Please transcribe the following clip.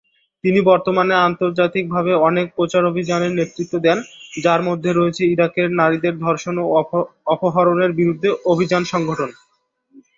তিনি বর্তমানে আন্তর্জাতিকভাবে অনেক প্রচারাভিযানের নেতৃত্ব দেন, যার মধ্যে রয়েছে ইরাকের নারীদের ধর্ষণ ও অপহরণের বিরুদ্ধে অভিযান সংগঠন।